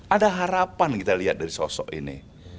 ada harapan kita lihat dari sosok ini